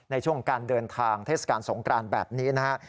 ในช่วงการเดินทางเทศกาลสงกรานแบบนี้นะครับ